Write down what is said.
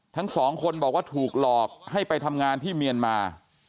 ทั้งสองคนบอกว่าถูกหลอกให้ไปทำงานที่เมียนมา